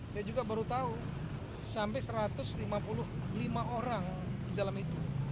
saya juga baru tahu sampai satu ratus lima puluh lima orang di dalam itu